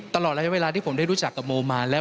ตลอดระยะเวลาที่ผมได้รู้จักกับโมมาแล้ว